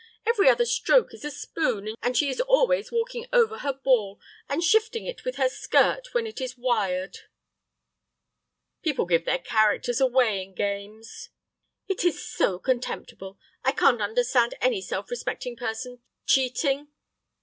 Every other stroke is a spoon, and she is always walking over her ball, and shifting it with her skirt when it is wired." "People give their characters away in games." "It is so contemptible. I can't understand any self respecting person cheating."